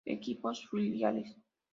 Equipos Filiales